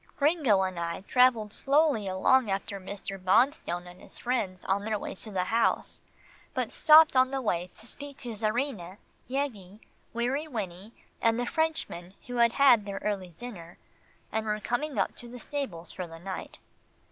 Gringo and I travelled slowly along after Mr. Bonstone and his friends on their way to the house, but stopped on the way to speak to Czarina, Yeggie, Weary Winnie and the Frenchmen who had had their early dinner, and were coming up to the stables for the night.